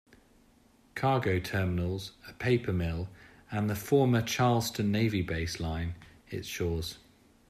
Cargo terminals, a paper mill, and the former Charleston Navy Base line its shore.